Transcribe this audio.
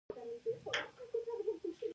د هند ټولنه په څلورو ډلو ویشل شوې وه.